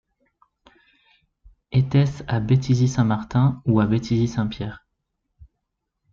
Était-ce à Béthisy-Saint-Martin ou à Béthisy-Saint-Pierre ?